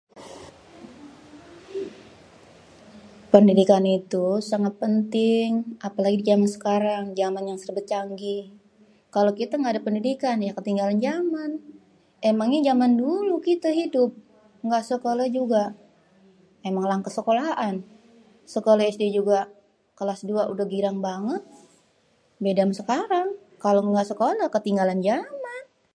pendidikan itu sangat penting apêlagi jaman sekarang jaman yang serbê canggih kalo kitê êngga adê pendidikan ya ketinggalan jaman emngnyê jaman dulu kitê hidup êngga sekolêh juga emang langkê sekolaan sekolêh sd juga kelas 2 udêh girang banget beda amê sekarang kalo êngga sekoleh ketinggalan jaman.